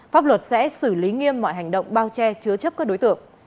pháp luật sẽ xử lý nghiêm mọi hành động bao che chứa chấp các đối tượng